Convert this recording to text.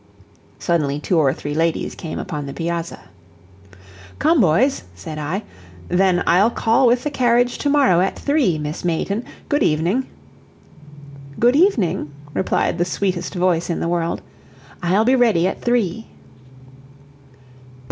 Suddenly two or three ladies came upon the piazza. "Come, boys," said I. "Then I'll call with the carriage tomorrow at three, Miss Mayton. Good evening." "Good evening," replied the sweetest voice in the world; "I'll be ready at three."